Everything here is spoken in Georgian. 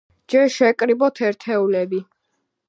ჯერ შევკრიბოთ ერთეულები.